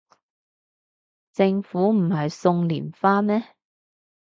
政府唔係送連花咩